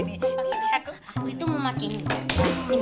aku itu mau makin